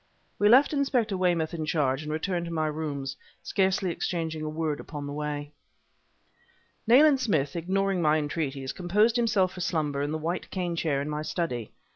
We left Inspector Weymouth in charge and returned to my rooms, scarcely exchanging a word upon the way. Nayland Smith, ignoring my entreaties, composed himself for slumber in the white cane chair in my study.